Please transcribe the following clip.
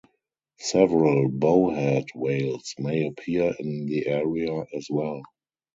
Several bowhead whales may appear in the area as well.